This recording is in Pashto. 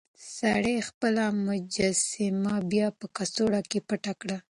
سړي خپله مجسمه بيا په کڅوړه کې پټه کړه.